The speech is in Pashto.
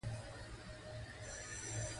په لومړي کال څو ورځې رخصتي ورکول کیږي؟